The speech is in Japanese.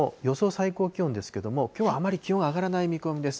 最高気温ですけれども、きょうはあまり気温上がらない見込みです。